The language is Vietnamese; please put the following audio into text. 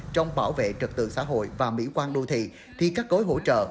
trong bảo vệ trật tượng xã hội và mỹ quan đô thị thì các cối hỗ trợ